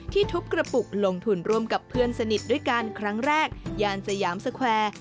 ทุบกระปุกลงทุนร่วมกับเพื่อนสนิทด้วยกันครั้งแรกยานสยามสแควร์